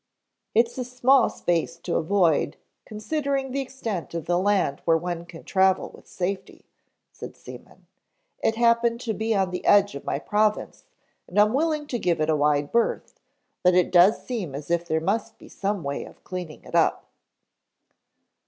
"It's a small space to avoid, considering the extent of the land where one can travel with safety," said Seaman. "It happened to be on the edge of my province and I'm willing to give it a wide berth, but it does seem as if there must be some way of cleaning it up."